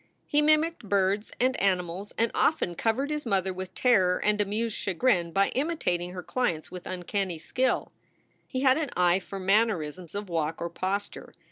He mimicked birds and animals and often covered his mother with terror and amused chagrin by imitating her clients with uncanny skill. He had an eye for mannerisms of walk or posture.